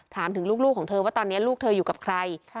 ถามถึงลูกของเธอว่าตอนนี้ลูกเธออยู่กับใคร